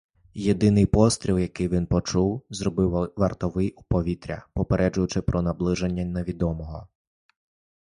Єдиний постріл, який він чув, зробив вартовий у повітря, попереджаючи про наближення невідомого.